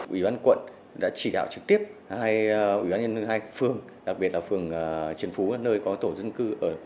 ủy ban quận đã chỉ đạo trực tiếp hai phương đặc biệt là phương triền phú nơi có tổ dân cư ở